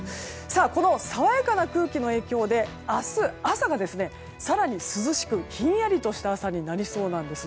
この爽やかな空気の影響で明日は更に涼しくひんやりとした朝になりそうなんです。